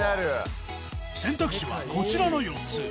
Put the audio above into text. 選択肢はこちらの４つ。